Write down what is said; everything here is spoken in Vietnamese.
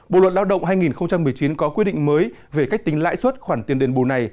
bộ luật lao động hai nghìn một mươi chín có quy định mới về cách tính lãi suất khoản tiền đền bù này